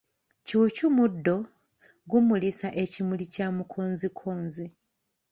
Ccuucu muddo pgumulisa ekimuli kya mukonzikonzi.